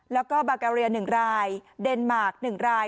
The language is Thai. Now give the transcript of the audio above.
แล้วก็บากาเรีย๑รายเดนมาร์ค๑ราย